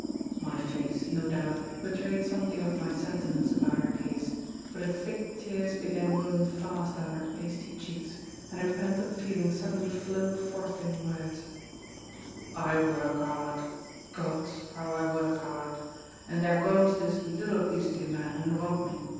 My face, no doubt, betrayed something of my sentiments about her case, for the thick tears began rolling fast down her pasty cheeks, and her pent up feeling suddenly flowed forth in words: "I work 'ard; Gott! how I work hard! And there gomes dis liddle beastly man, and rob me.